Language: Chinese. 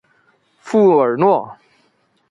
富尔诺。